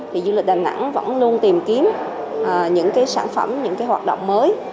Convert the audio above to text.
thì du lịch đà nẵng vẫn luôn tìm kiếm những cái sản phẩm những cái hoạt động mới